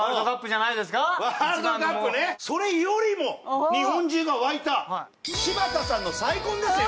それよりも日本中が沸いた柴田さんの再婚ですよ！